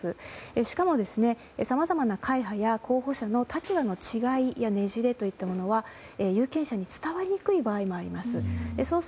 しかも、さまざまな会派の候補者の立場や狙いは有権者に伝わりにくい場合もあります。